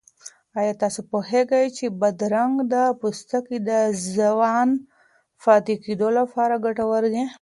آیا تاسو پوهېږئ چې بادرنګ د پوستکي د ځوان پاتې کېدو لپاره ګټور دی؟